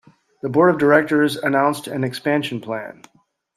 The board of directors announced an expansion plan.